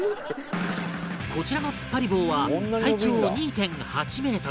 こちらの突っ張り棒は最長 ２．８ メートル